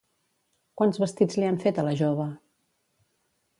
Quants vestits li han fet a la jove?